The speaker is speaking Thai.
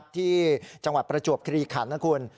ที่จังหวัดประจวบคลีขันนะคุณ